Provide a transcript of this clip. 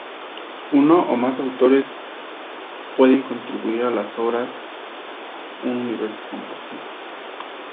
Uno o más autores pueden contribuir a las obras un universo compartido.